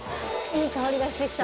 いい香りがしてきた。